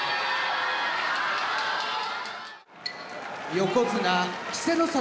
横綱稀勢の里